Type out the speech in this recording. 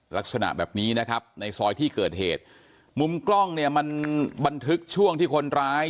ลักษณะแบบนี้นะครับในซอยที่เกิดเหตุมุมกล้องเนี่ยมันบันทึกช่วงที่คนร้าย